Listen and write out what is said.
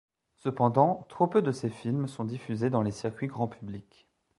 Cependant, trop peu de ces films sont diffusés dans les circuits grand public.